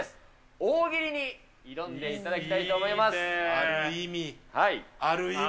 大喜利に挑んでいただきたいと思ある意味。